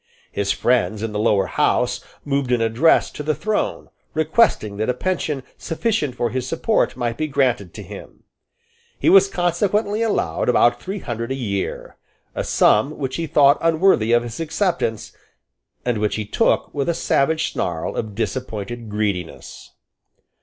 His friends in the Lower House moved an address to the Throne, requesting that a pension sufficient for his support might be granted to him, He was consequently allowed about three hundred a year, a sum which he thought unworthy of his acceptance, and which he took with the savage snarl of disappointed greediness.